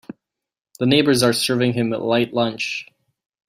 The neighbors are serving him a light lunch.